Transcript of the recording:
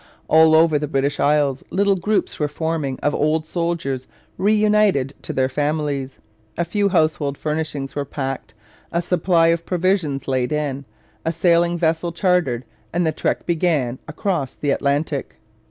All over the British Isles little groups were forming of old soldiers reunited to their families. A few household furnishings were packed, a supply of provisions laid in, a sailing vessel chartered, and the trek began across the Atlantic.